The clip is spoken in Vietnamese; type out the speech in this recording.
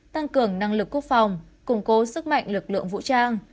tăng cường năng lực quốc phòng củng cố sức mạnh lực lượng vũ trang